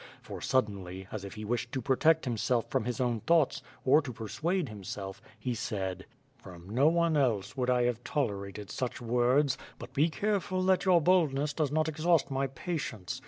For suddenly, as if he wished to protect himself from his own thoughts, or to persuade himself, he said: "From no one else would I have tolerated such words; but be careful that your baldness does not exhaust my patience!